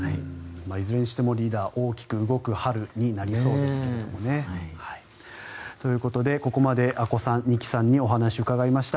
いずれにしてもリーダー大きく動く春になりそうですけどね。ということでここまで阿古さん、二木さんにお話を伺いました。